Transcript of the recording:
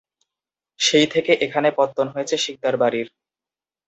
সেই থেকে এখানে পত্তন হয়েছে শিকদার বাড়ির।